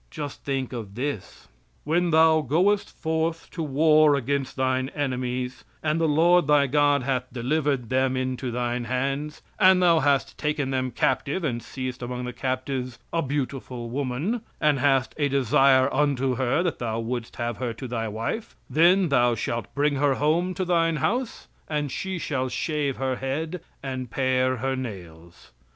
Just think of this: "When thou goest forth to war against thine enemies, and the Lord thy God hath delivered them into thine hands, and thou hast taken them captive, and seest among the captives a beautiful woman and hast a desire unto her that thou wouldst have her to thy wife, then thou shalt bring her home to thine house, and she shall shave her head, and pare her nails."